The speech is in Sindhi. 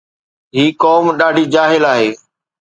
هي قوم ڏاڍي جاهل آهي